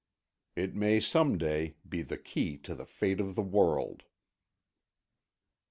It may someday be the key to the fate of the world.